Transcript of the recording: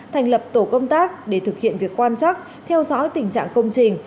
thành lập tổ công tác để thực hiện việc quan chắc theo dõi tình trạng công trình